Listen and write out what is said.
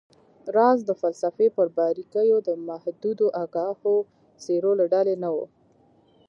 راز د فلسفې پر باریکیو د محدودو آګاهو څیرو له ډلې نه و